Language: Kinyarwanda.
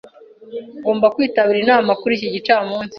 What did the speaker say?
Ngomba kwitabira inama kuri iki gicamunsi.